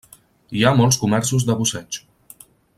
Hi ha molts comerços de busseig.